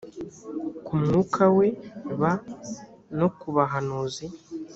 ku mwuka we b no ku bahanuzi